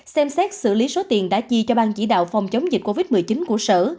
xem xét xử lý số tiền đã chi cho ban chỉ đạo phòng chống dịch covid một mươi chín của sở